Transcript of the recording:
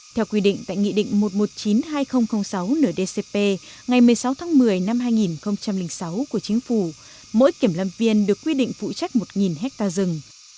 theo quy định tại nghị định một trăm một mươi chín hai nghìn sáu ndcp ngày một mươi sáu tháng một mươi năm hai nghìn sáu của chính phủ mỗi kiểm lâm viên được quy định phụ trách một hectare rừng